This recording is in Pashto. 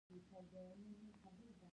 لڅي پښې زما لیدولو ته